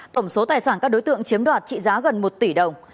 tổng số tài sản các đối tượng chiếm đoạt trị giá gần một tỷ đồng